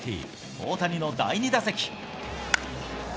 大谷の第２打席。